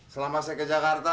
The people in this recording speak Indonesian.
selama saya ke jakarta